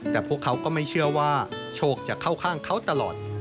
แต่พวกเขาก็ไม่เชื่อว่าโชคจะเข้าข้างเขาตลอด